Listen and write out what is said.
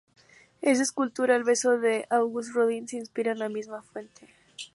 En escultura, El Beso de Auguste Rodin se inspira en la misma fuente.